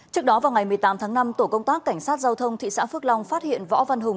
trước đó vào ngày một mươi tám tháng năm tổ công tác cảnh sát giao thông thị xã phước long phát hiện võ văn hùng